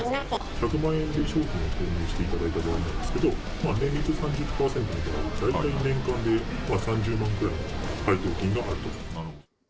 １００万円で商品を購入していただいた場合なんですけれども、年利３０％の場合、大体年間で３０万くらいの配当金があると。